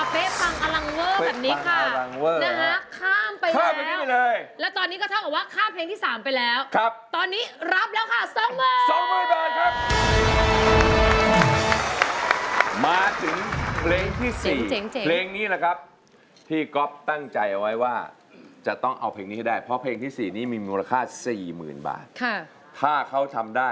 ๖แผ่นป้ายตอนนี้ใช้เป็นราว๒